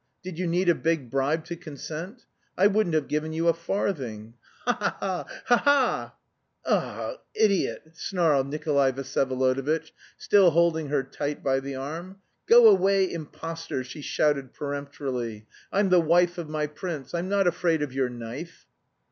Did you need a big bribe to consent? I wouldn't have given you a farthing. Ha ha ha! Ha ha!..." "Ugh, idiot!" snarled Nikolay Vsyevolodovitch, still holding her tight by the arm. "Go away, impostor!" she shouted peremptorily. "I'm the wife of my prince; I'm not afraid of your knife!"